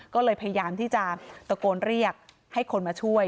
ก็เลยพยายามที่จะตะโกนเรียกให้คนมาช่วย